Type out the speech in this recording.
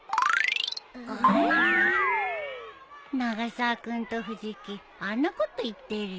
永沢君と藤木あんなこと言ってるよ。